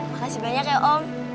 makasih banyak ya om